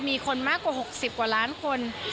มีคนมากกว่า๖๐กว่าล้านคน